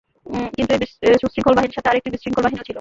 কিন্তু এই সুশৃঙ্খল বাহিনীর সাথে আরেকটি বিশৃঙ্খল বাহিনীও ছিল।